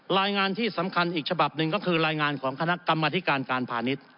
รายงานที่สำคัญอีกฉบับหนึ่งก็คือรายงานของคณะกรรมธิการการพาณิชย์